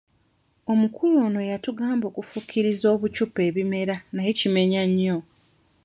Omukulu ono yatugamba okufukiriza obucupa ebimera naye kimenya nnyo.